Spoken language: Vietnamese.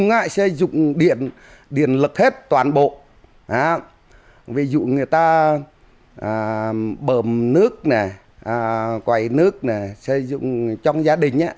người ta bờm nước quầy nước xây dựng trong gia đình